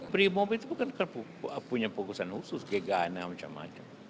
brimob itu bukan punya fokusan khusus gegana macam macam